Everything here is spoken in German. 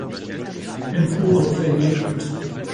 Empore verlegt.